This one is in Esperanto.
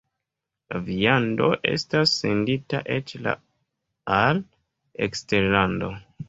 La viando estas sendita eĉ al eksterlando.